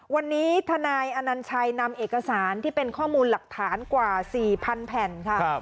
วันนี้ทนายอนัญชัยนำเอกสารที่เป็นข้อมูลหลักฐานกว่า๔๐๐แผ่นค่ะ